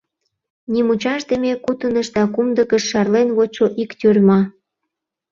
Нимучашдыме кутыныш да кумдыкыш шарлен вочшо ик тюрьма.